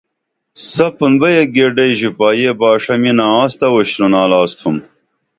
سپُن بئی ایک گیڈئی ژوپا یہ باݜہ مِنہ آنس تہ اُشترونال آستُھم